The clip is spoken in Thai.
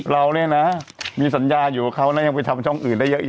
เราเนี่ยนะมีสัญญาอยู่กับเขานะยังไปทำช่องอื่นได้เยอะอีก